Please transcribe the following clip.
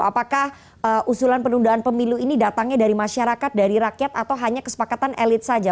apakah usulan penundaan pemilu ini datangnya dari masyarakat dari rakyat atau hanya kesepakatan elit saja